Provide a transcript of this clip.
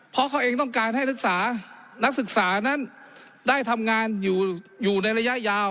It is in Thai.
เพราะเขาเองต้องการให้นักศึกษานั้นได้ทำงานอยู่ในระยะยาว